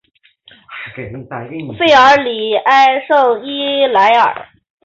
弗尔里埃圣伊莱尔。